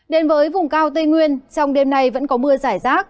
đến với vùng cao tây nguyên trong đêm này vẫn có mưa dài rác